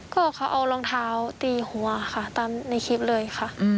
ก็เขาเอารองเท้าตีหัวค่ะตามในคลิปเลยค่ะ